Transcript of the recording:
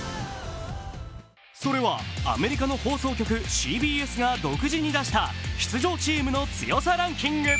それはアメリカの放送局、ＣＢＣが独自に出した出場チームの強さランキング。